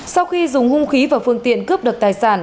sau khi dùng hung khí và phương tiện cướp được tài sản